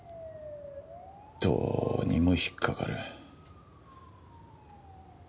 どうにも引っかかる。